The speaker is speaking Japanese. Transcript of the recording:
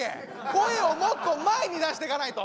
声をもっと前に出していかないと。